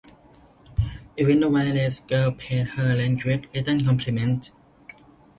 Even the white-lace girl paid her a languid little compliment.